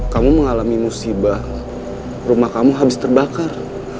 kamu mengalami musibah rumah kamu habis terbakar